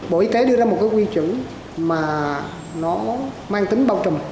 bộ y tế đưa ra một quy trình mà nó mang tính bao trùm